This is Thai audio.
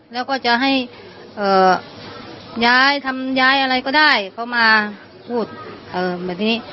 มันก็จะให้อย่าจะทำย้ายอะไรก็ได้เค้ามาพูดว่ามัน